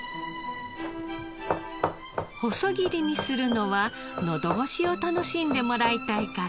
細切りにするのは喉越しを楽しんでもらいたいから。